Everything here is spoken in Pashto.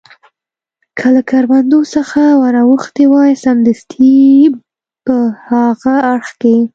که له کروندو څخه ور اوښتي وای، سمدستي په هاغه اړخ کې.